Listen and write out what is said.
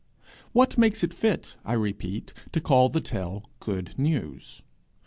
What makes it fit, I repeat, to call the tale good news?